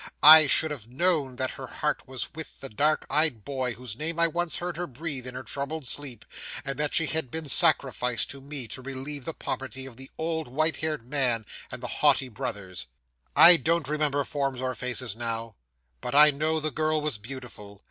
I should have known that her heart was with the dark eyed boy whose name I once heard her breathe in her troubled sleep; and that she had been sacrificed to me, to relieve the poverty of the old, white headed man and the haughty brothers. 'I don't remember forms or faces now, but I know the girl was beautiful.